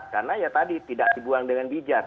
karena ya tadi tidak dibuang dengan bijak